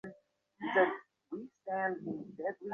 বছর খানেক আগে যখন তিনি কথাটা তোলেন, অধিকাংশ মানুষ হেসে কুটিকুটি।